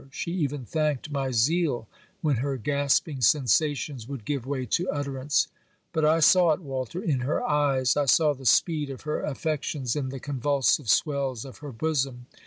She even thanked my zeal, when her gasping sensations would give way to utterance. But I saw it, Walter, in her eyes. I saw the speed of her affections in the convulsive swells of her bosom.